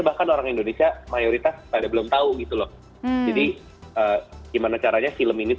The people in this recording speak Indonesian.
bahkan orang indonesia mayoritas pada belum tahu gitu loh jadi gimana caranya film ini